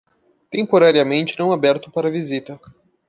Temporariamente não aberto para visita